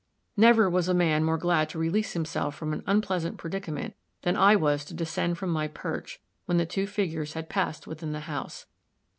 Never was a man more glad to release himself from an unpleasant predicament than I was to descend from my perch when the two figures had passed within the house.